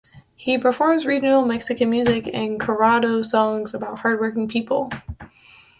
He performs regional Mexican music and corrido songs about hardworking people.